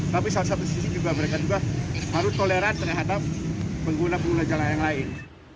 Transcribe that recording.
tapi salah satu sisi juga mereka juga harus toleran terhadap pengguna pengguna jalan yang lain